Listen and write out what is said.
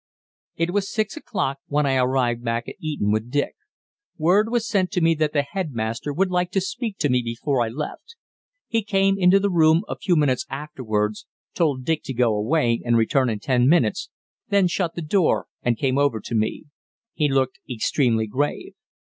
It was six o'clock when I arrived back at Eton with Dick. Word was sent to me that the headmaster would like to speak to me before I left. He came into the room a few minutes afterwards, told Dick to go away and return in ten minutes, then shut the door and came over to me. He looked extremely grave.